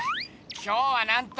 今日はなんと！